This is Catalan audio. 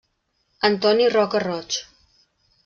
Antoni Roca Roig.